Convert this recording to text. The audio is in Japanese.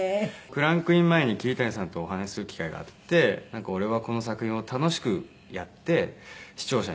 クランクイン前に桐谷さんとお話しする機会があって「俺はこの作品を楽しくやって視聴者に届けたいんだ」